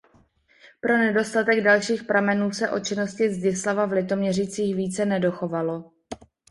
Pro nedostatek dalších pramenů se o činnosti Zdislava v Litoměřicích více nedochovalo.